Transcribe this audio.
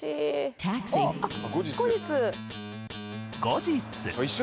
後日。